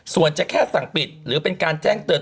ส่วนจะแค่สั่งปิดหรือเป็นการแจ้งเตือน